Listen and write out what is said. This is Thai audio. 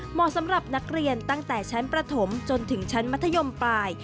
เหมาะสำหรับนักเรียนตั้งแต่ชั้นประถมจนถึงชั้นมัธยมปลาย